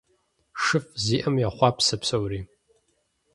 ШыфӀ зиӀэм йохъуапсэ псори.